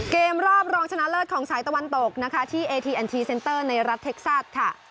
เกมรอบรองชนะเลิศของสายตะวันตกนะคะที่เอทีแอนทีเซนเตอร์ในรัฐเท็กซัสค่ะ